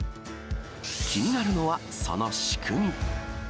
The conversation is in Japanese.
気になるのは、その仕組み。